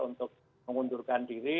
untuk mengundurkan diri